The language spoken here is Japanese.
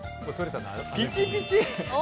ピチピチ！